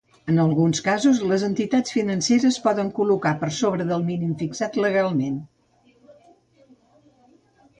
En alguns casos, les entitats financeres poden col·locar per sobre del mínim fixat legalment.